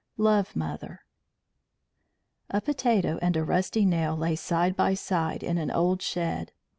LOVE MOTHER A potato and a rusty nail lay side by side in an old shed.